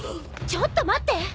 ちょっと待って！